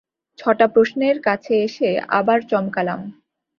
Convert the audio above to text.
ছটা প্রশ্নের কাছে এসে আবার চমকালাম।